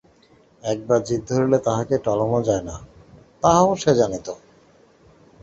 একবার জিদ ধরিলে তাহাকে টলানো যায় না, তাহাও সে জানিত।